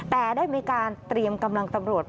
แต่ได้มีการเตรียมกำลังตำรวจ